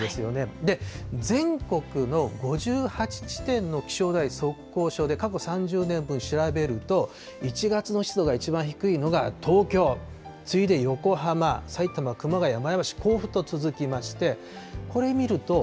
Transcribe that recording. で、全国の５８地点の気象台・測候所で、過去３０年分調べると、１月の湿度が一番低いのが、東京、次いで横浜、埼玉・熊谷、前橋、甲府と続きまして、これ見ると。